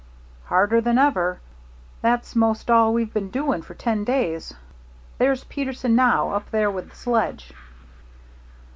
"Harder than ever. That's most all we've been doing for ten days. There's Peterson, now; up there with the sledge."